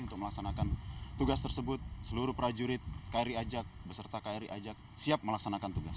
untuk melaksanakan tugas tersebut seluruh prajurit kri ajak beserta kri ajak siap melaksanakan tugas